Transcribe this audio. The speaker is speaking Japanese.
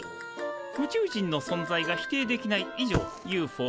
宇宙人の存在が否定できない以上ＵＦＯ